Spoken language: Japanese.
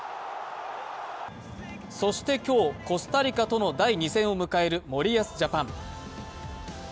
そして今日、コスタリカとの第２戦を迎える森保ジャパン。